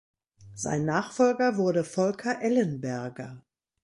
Sein Nachfolger wurde Volker Ellenberger.